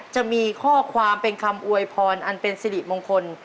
จะมีข้อความเป็นคำอวยพรอันเป็นสิริมงคล